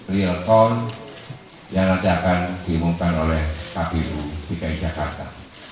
real call yang nanti akan diumumkan oleh pak biu di ku jakarta